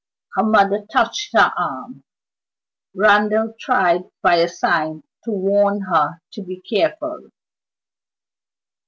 Her mother touched her arm; Randal tried by a sign to warn her to be careful.